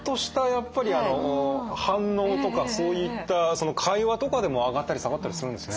やっぱりあの反応とかそういった会話とかでも上がったり下がったりするんですね。